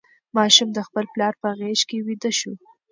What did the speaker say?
ماشوم د خپل پلار په غېږ کې ویده شو.